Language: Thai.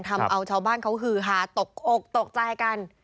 ทำเอาชาวบ้านเขาฮือหาตกอกตกใจกัน